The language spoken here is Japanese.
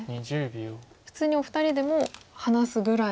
普通にお二人でも話すぐらい。